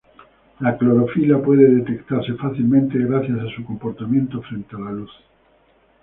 La clorofila puede detectarse fácilmente gracias a su comportamiento frente a la luz.